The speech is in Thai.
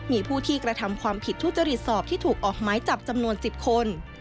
มีผู้ที่กระทำความผิดทุจริตสอบที่ถูกออกไม้จับจำนวน๑๐คน